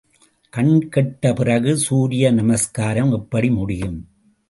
கண்கெட்ட பிறகு சூரிய நமஸ்காரம் எப்படி முடியும்?